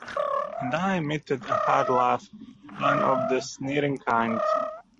And I emitted a hard laugh — one of the sneering kind.